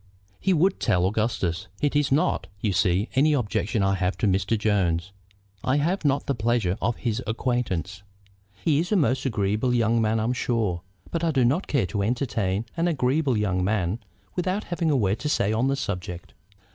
"He would tell Augustus. It is not, you see, any objection I have to Mr. Jones. I have not the pleasure of his acquaintance. He is a most agreeable young man, I'm sure; but I do not care to entertain an agreeable young man without having a word to say on the subject.